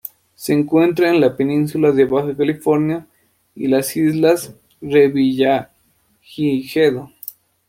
Se encuentra en la Península de Baja California y las Islas Revillagigedo.